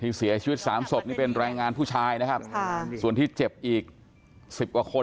เสียชีวิตสามศพนี่เป็นแรงงานผู้ชายนะครับค่ะส่วนที่เจ็บอีกสิบกว่าคน